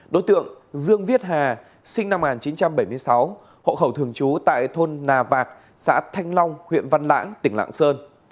đối tượng dương viết hà sinh năm một nghìn chín trăm bảy mươi sáu hộ khẩu thường trú tại thôn nà vạc xã thanh long huyện văn lãng tỉnh lạng sơn